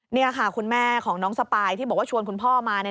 นี่ค่ะคุณแม่ของน้องสปายที่บอกว่าชวนคุณพ่อมา